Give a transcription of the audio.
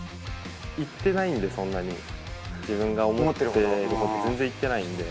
いってないんで、そんなに、自分が思っているほど、全然いってないんで。